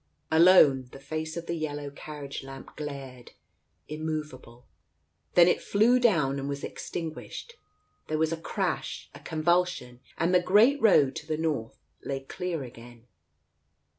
Alone the face of the yellow carriage lamp glared, immovable. ... Then it flew down, and was extinguished. There was a crash, a convulsion — and the great road to the north lay clear again.